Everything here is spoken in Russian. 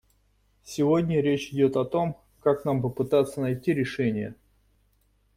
Сегодня речь идет о том, как нам попытаться найти решения.